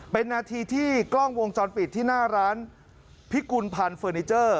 เป็นนาทีที่กล้องวงจรปิดที่หน้าร้านพิกุลพันธ์เฟอร์นิเจอร์